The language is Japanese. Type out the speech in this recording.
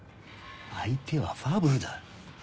相手はファブルだ。